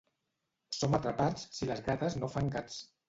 Som atrapats si les gates no fan gats.